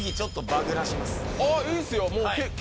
あいいっすよ。